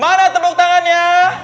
mana tepuk tangannya